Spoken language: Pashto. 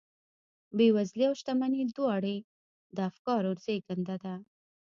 بېوزلي او شتمني دواړې د افکارو زېږنده دي